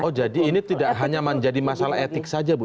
oh jadi ini tidak hanya menjadi masalah etik saja bu